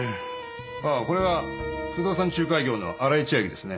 ああこれが不動産仲介業の新井千晶ですね。